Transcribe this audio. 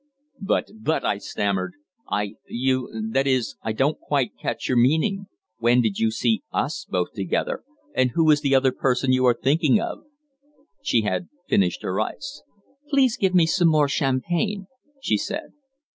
"But but " I stammered, "I you that is I don't quite catch your meaning. When did you see 'us' both together and who is the other person you are thinking of?" She had finished her ice. "Please give me some more champagne," she said.